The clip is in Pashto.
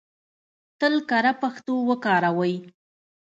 تل کره پښتو وکاروئ!